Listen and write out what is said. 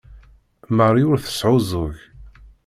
Marie ur tesɛuẓẓeg.